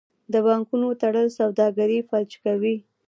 د بانکونو تړل سوداګري فلج کوي.